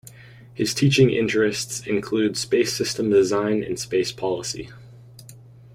His teaching interests include space systems design and space policy.